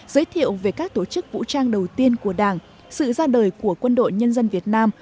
giới thiệu về các tổ chức vũ trang đầu tiên của đảng sự ra đời của quân đội nhân dân việt nam